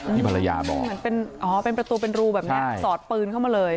ภรรยาบอกเหมือนเป็นอ๋อเป็นประตูเป็นรูแบบนี้สอดปืนเข้ามาเลย